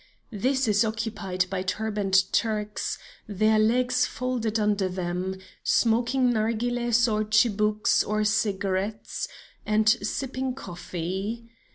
This is occupied by turbaned Turks, their legs folded under them, smoking nargilehs or chibooks or cigarettes, and sipping coffee.